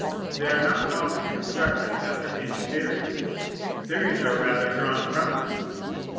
They are not often constructed after any theory: theories are rather drawn from them.